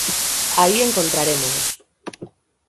Aí encontrarémonos.